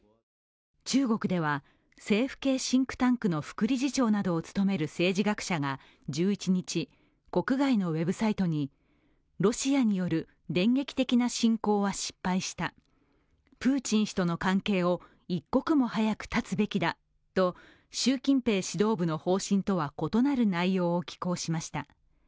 中国では政府系シンクタンクの副理事長などを務める政治学者が１１日、国外のウェブサイトに、ロシアによる電撃的な侵攻は失敗した、プーチン氏との関係を一刻も早く断つべきだと習近平指導部の方針とは異なる内容を寄稿しました。